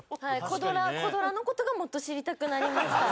コ・ドラのことがもっと知りたくなりました。